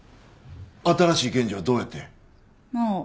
新しい検事はどうやったんや？